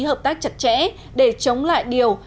hợp tác chặt chẽ để chống lại điều